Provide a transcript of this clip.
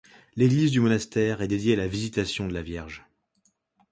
L'église du monastère est dédiée à la Visitation de la Vierge.